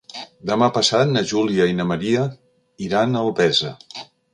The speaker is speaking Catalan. Demà passat na Júlia i na Maria iran a Albesa.